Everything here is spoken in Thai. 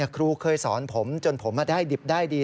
ครูเคยสอนผมจนผมได้ดิบได้ดี